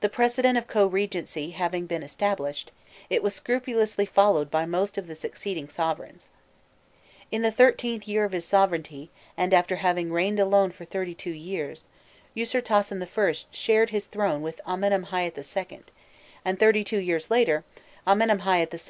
The precedent of co regnancy having been established, it was scrupulously followed by most of the succeeding sovereigns. In the XIIIth year of his sovereignty, and after having reigned alone for thirty two years, Ûsirtasen I. shared his throne with Amenemhâît II.; and thirty two years later Amenemhâît II.